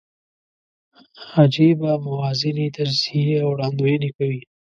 عجېبه موازنې، تجزیې او وړاندوینې کوي.